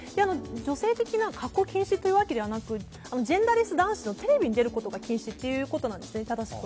女性的な格好禁止というわけではなく、正しくはジェンダーレス男子がテレビに出ることは禁止ということなんですね。